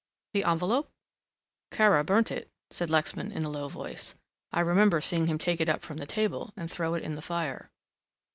The envelope!" "Kara burnt it," said Lexman in a low voice, "I remember seeing him take it up from the table and throw it in the fire."